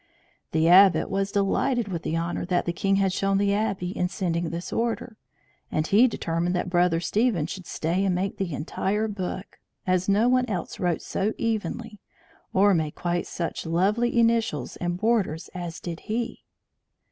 The Abbot was delighted with the honour the king had shown the Abbey in sending this order; and he determined that Brother Stephen should stay and make the entire book, as no one else wrote so evenly, or made quite such lovely initials and borders as did he.